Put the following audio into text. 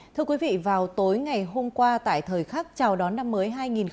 thưa quý vị vào tối ngày hôm qua tại thời khắc chào đón năm mới hai nghìn hai mươi